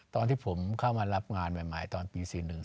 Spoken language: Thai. ตอนที่ผมเข้ามารับงานใหม่ตอนปี๔๑